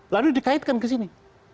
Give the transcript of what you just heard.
lalu dikaitkan ke sini